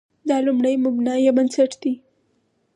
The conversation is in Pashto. دا لومړی مبنا یا بنسټ دی.